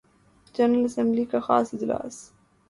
general assembly کا خاص اجلاس